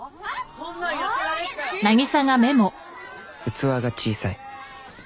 「器が小さい」